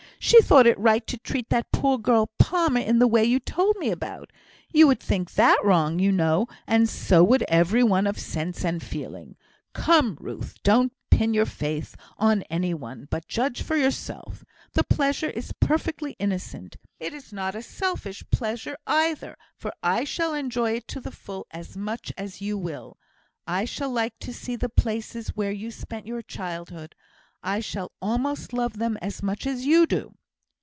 She thought it right to treat that poor girl Palmer in the way you told me about. You would think that wrong, you know, and so would every one of sense and feeling. Come, Ruth, don't pin your faith on any one, but judge for yourself. The pleasure is perfectly innocent; it is not a selfish pleasure either, for I shall enjoy it to the full as much as you will. I shall like to see the places where you spent your childhood; I shall almost love them as much as you do."